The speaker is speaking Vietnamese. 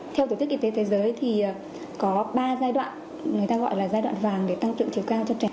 theo tổ chức y tế thế giới thì có ba giai đoạn người ta gọi là giai đoạn vàng để tăng trưởng chiều cao cho trẻ